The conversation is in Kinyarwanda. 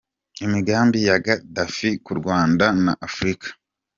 Imigambi ya Gaddafi ku Rwanda na Afurika.